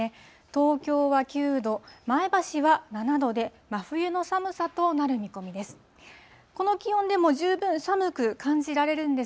東京は９度、前橋は７度で真冬の寒さとなる見込みです。